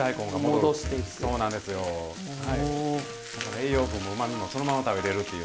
栄養素もうまみもそのまま食べれるっていう。